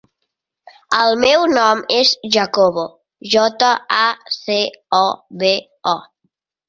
El meu nom és Jacobo: jota, a, ce, o, be, o.